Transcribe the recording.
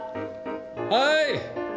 はい。